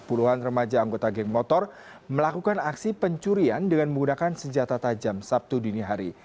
puluhan remaja anggota geng motor melakukan aksi pencurian dengan menggunakan senjata tajam sabtu dini hari